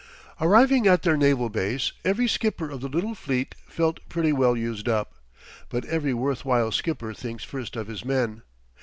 Arriving at their naval base, every skipper of the little fleet felt pretty well used up. But every worth while skipper thinks first of his men.